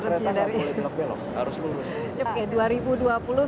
kalau kereta tidak boleh belok belok harus lulus